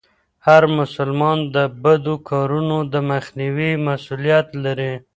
هر مسلمان د بدو کارونو د مخنيوي مسئوليت لري.